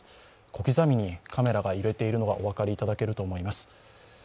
小刻みにカメラが揺れているのがお分かりいただけるかと思います。